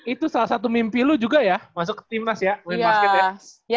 itu salah satu mimpi lo juga ya masuk ke timnas ya main basket ya